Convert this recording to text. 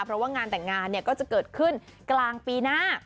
เพราะว่างานแต่งงานก็จะเกิดขึ้นกลางปีหน้า